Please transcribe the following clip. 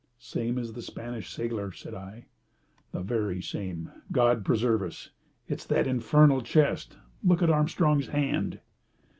"The same as the Spanish sailor," said I. "The very same. God preserve us! It's that infernal chest! Look at Armstrong's hand!"